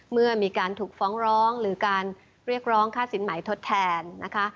เมื่อมีการถูกฟ้องร้องหรือการเรียกร้องค่าสินใหม่ทดแทนนะคะ